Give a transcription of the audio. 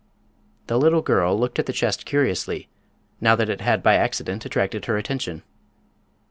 The little girl looked at the chest curiously, now that it had by accident attracted her attention.